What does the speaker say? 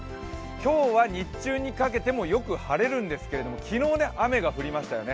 今日は日中にかけてもよく晴れるんですけれども、昨日、雨が降りましたよね。